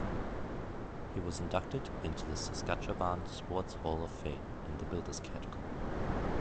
He was inducted into the Saskatchewan Sports Hall of Fame in the builders category.